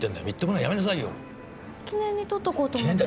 記念に撮っとこうと思って。